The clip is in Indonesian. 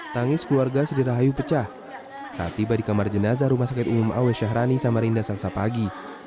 tangis keluarga sri rahayu pecah saat tiba di kamar jenazah rumah sakit umum awe syahrani samarinda selasa pagi